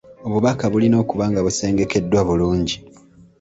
Obubaka bulina okuba nga busengekeddwa bulungi.